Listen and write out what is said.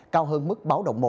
cao hơn mức báo đồng một bốn m